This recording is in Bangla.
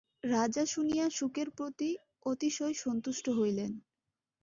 রাজা শুনিয়া শুকের প্রতি অতিশয় সন্তুষ্ট হইলেন।